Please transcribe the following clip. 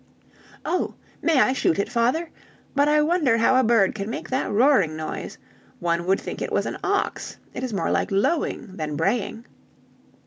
"Oh! may I shoot it, father? But I wonder how a bird can make that roaring noise! One would think it was an ox, it is more like lowing than braying."